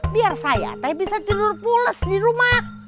biar saya teh bisa tidur pulas di rumah